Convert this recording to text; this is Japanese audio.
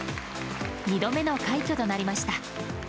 ２度目の快挙となりました。